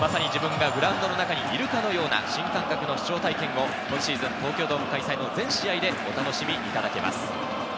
まさに自分がグラウンドの中にいるかのような新感覚の視聴体験を今シーズン、東京ドーム開催の全試合でお楽しみいただけます。